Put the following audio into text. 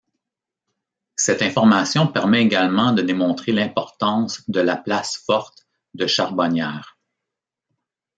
Cette information permet également de démontrer l’importance de la place forte de Charbonnières.